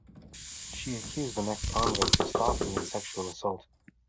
She accused an ex-convict of stalking and sexual assault.